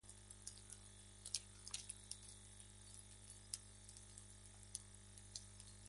La sierra se aplicaba a menudo a homosexuales, aunque principalmente a hombres.